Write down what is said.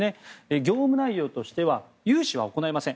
業務内容としては融資は行いません。